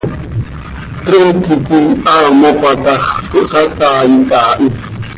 Trooqui quih haa mopa ta x, cohsataait haa hi.